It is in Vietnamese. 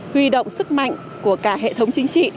huy động sức mạnh của cả hệ thống chính trị